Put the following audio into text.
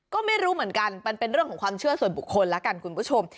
ก็ไม่รู้เหมือนกันมันเป็นเรื่องของความเชื่อส่วนบุคคลแล้วกันคุณผู้ชม